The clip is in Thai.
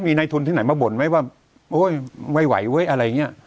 มีใยทุนที่ไหนมาบ่นไหมว่าโอ้ยไวเว้ยอะไรเงี้ย